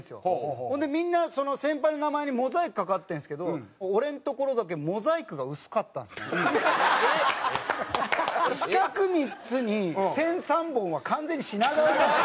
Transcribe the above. ほんでみんなその先輩の名前にモザイクかかってるんですけど俺のところだけ四角３つに線３本は完全に品川なんですよ。